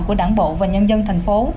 của đảng bộ và nhân dân thành phố